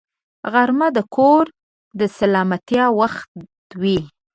غرمه د کور د سلامتیا وخت وي